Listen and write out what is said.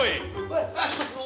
woy asik lu allah zif